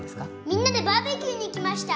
みんなでバーベキューに行きました。